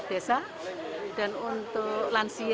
dan penceramah itu seratus dan penceramah itu seratus